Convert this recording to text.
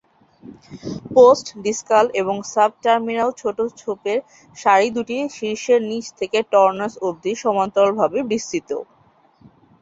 Post-discal এবং subterminal ছোট ছোপের সারি দুটি শীর্ষের নিচ থেকে টর্নাস অবধি সমান্তরালভাবে বিস্তৃত।